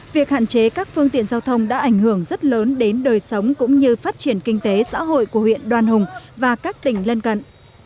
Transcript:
việc hạn chế các phương tiện giao thông đã ảnh hưởng rất lớn đến đời sống cũng như phát triển kinh tế xã hội của huyện đoan hùng và các tỉnh lân cận